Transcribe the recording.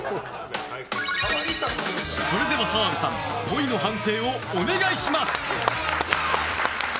それでは澤部さんっぽいの判定をお願いします。